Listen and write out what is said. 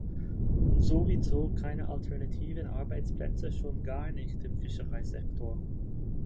Und sowieso keine alternativen Arbeitsplätze, schon gar nicht im Fischereisektor.